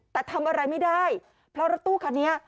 แต่ทำอะไรไม่ได้เพราะรถตู้คันนี้